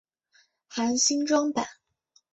含新装版。